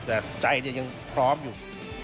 แต่ใจยังพร้อมอยู่